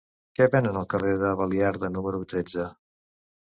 Què venen al carrer de Baliarda número tretze?